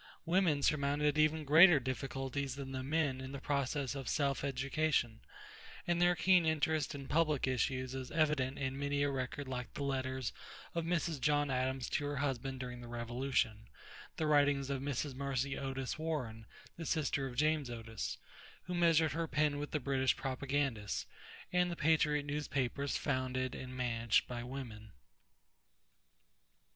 Women surmounted even greater difficulties than the men in the process of self education, and their keen interest in public issues is evident in many a record like the Letters of Mrs. John Adams to her husband during the Revolution; the writings of Mrs. Mercy Otis Warren, the sister of James Otis, who measured her pen with the British propagandists; and the patriot newspapers founded and managed by women.